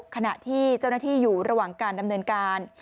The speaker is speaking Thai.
ขณะที่เจ้าหน้าที่อยู่ระหว่างการดำเนินการ